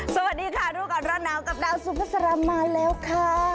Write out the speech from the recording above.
สวัสดีค่ะทุกคนร้อนน้ำกับดาวสุขศรมาแล้วค่ะ